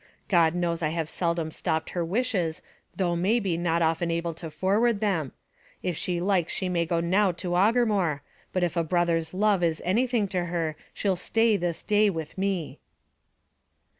God knows I have seldom stopped her wishes, though may be not often able to forward them. If she likes she may go now to Aughermore, but if a brother's love is anything to her, she'll stay this day with me."